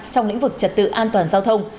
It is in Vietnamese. trong lĩnh vực trật tự an toàn giao thông